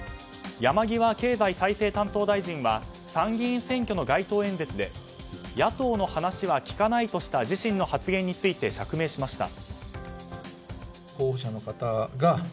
山際経済再生担当大臣は参議院選挙の街頭演説で野党の話は聞かないとした自身の発言について釈明しました。